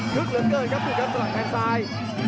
ลึกเหลือเกินครับถูกกับสถานการณ์ซ้าย